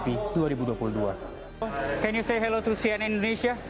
bisa berkata halo kepada cn indonesia